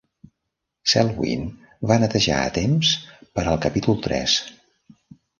Selwyn va netejar a temps per al capítol tres.